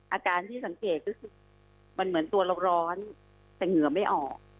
อาการที่สังเกตก็คือมันเหมือนตัวเราร้อนแต่เหงื่อไม่ออก